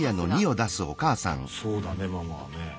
そうだねママはね。